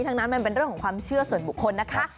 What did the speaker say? ทั้งนั้นมันเป็นเรื่องของความเชื่อส่วนบุคคลนะคะ